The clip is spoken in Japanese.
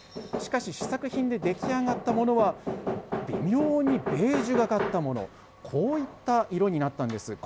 しかし、試作品で出来上がったものは、微妙にベージュがかったもの、こういった色になったんです。